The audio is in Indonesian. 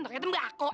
kayaknya tembak kok